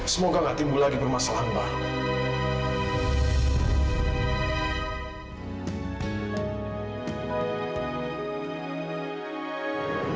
semoga gak timbul lagi permasalahan baru